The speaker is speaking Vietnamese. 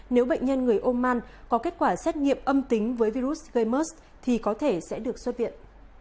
nếu bệnh nhân người ôm man có kết quả xét nghiệm âm tính với virus gamers thì có thể sẽ được xuất viện